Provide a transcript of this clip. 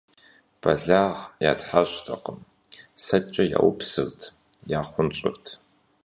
Бэлагъ ятхьэщӀтэкъым; сэкӀэ яупсырт, ятхъунщӀырт.